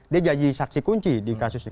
dia jadi saksi kunci di kasus ini